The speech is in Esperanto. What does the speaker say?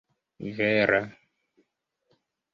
vera